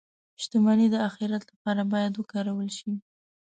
• شتمني د آخرت لپاره باید وکارول شي.